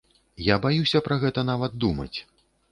Я баюся пра гэта нават думаць.